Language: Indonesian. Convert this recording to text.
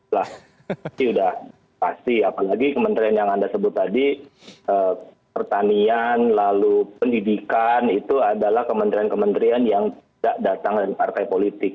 ini sudah pasti apalagi kementerian yang anda sebut tadi pertanian lalu pendidikan itu adalah kementerian kementerian yang tidak datang dari partai politik